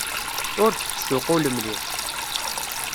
Ur d-tessuqqul mliḥ.